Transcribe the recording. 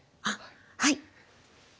あっはい！